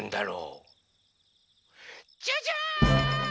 ジャジャーン！